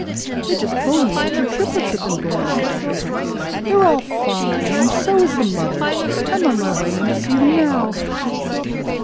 "They just phoned me that your triplets have been born," said Dr. Hitz. "They're all fine, and so is the mother. I'm on my way in to see them now."